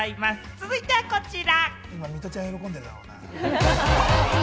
続いてはこちら！